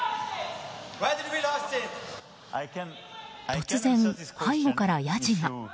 突然、背後からヤジが。